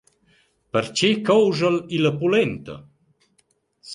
Perche couscha’l illa pulenta?